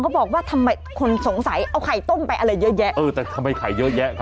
อ้าวคุณผู้ชมลองเดาไหมว่าตรงนี้ที่ไหนในชนบุรี